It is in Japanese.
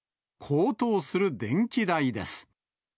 高騰する電気代です。